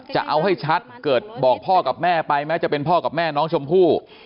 จะเอาให้ชัดเกิดบอกพ่อกับแม่ไปแม้จะเป็นพ่อกับแม่น้องชมพู่